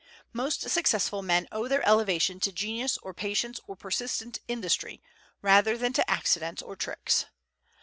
Most successful men owe their elevation to genius or patience or persistent industry rather than to accidents or tricks.